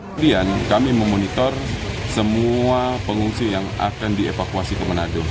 kemudian kami memonitor semua pengungsi yang akan dievakuasi ke manado